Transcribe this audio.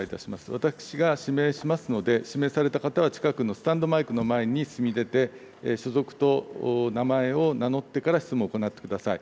私が指名しますので、指名された方は近くのスタンドマイクの前に進み出て、所属と名前を名乗ってから、質問を行ってください。